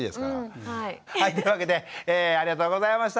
はいというわけでありがとうございました。